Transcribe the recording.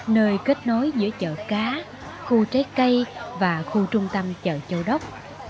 nơi kết nối giữa chợ cá khu trái cây và khu trung tâm chợ châu đốc